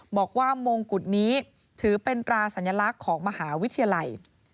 บอกว่ามงกุฎนี้ถือเป็นตราสัญลักษณ์ของมหาวิทยาลัย